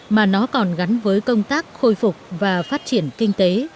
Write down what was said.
mà nó còn gắn với công tác khôi phục và phát triển kinh tế